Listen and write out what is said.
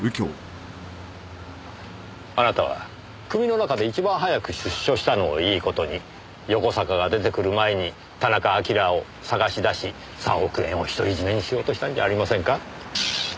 あなたは組の中で一番早く出所したのをいい事に横坂が出てくる前に田中晶を捜し出し３億円を独り占めにしようとしたんじゃありませんか？